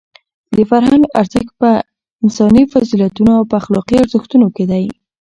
د فرهنګ ارزښت په انساني فضیلتونو او په اخلاقي ارزښتونو کې دی.